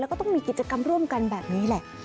แล้วก็ต้องมีกิจกรรมร่วมกันแบบนี้แหละ